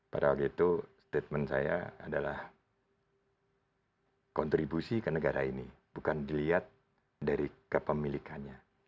pada waktu itu statement saya adalah kontribusi ke negara ini bukan dilihat dari kepemilikannya